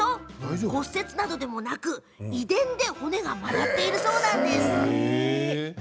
骨折などでもなく遺伝で骨が曲がっているそうなんですね。